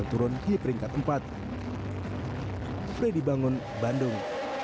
freddy bangun bandung